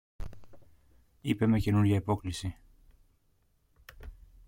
είπε με καινούρια υπόκλιση.